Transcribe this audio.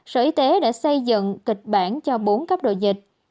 sở y tế đã xây dựng kịch bản cho bốn cấp độ dịch